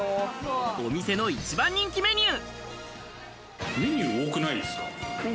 お店の一番人気メニュー。